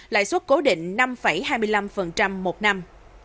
lãi suất cố định năm hai mươi năm một năm